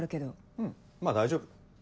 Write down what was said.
うんまぁ大丈夫。